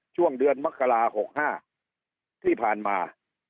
ช่วงเดือนมกรา๖๕ที่ผ่านมา